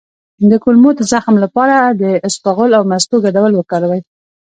د کولمو د زخم لپاره د اسپغول او مستو ګډول وکاروئ